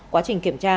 quá trình kiểm tra